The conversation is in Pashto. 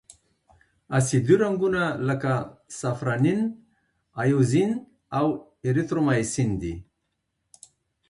اسیدي رنګونه لکه سافرانین، ائوزین او ایریترومایسین دي.